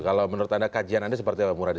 kalau menurut anda kajian anda seperti apa muradi